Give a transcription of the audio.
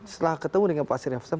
setelah ketemu dengan pak sari fasan